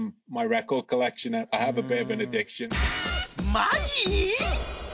マジ！？